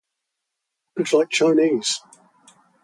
解釋得好清楚，一步一步嚟